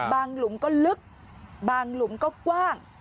หลุมก็ลึกบางหลุมก็กว้าง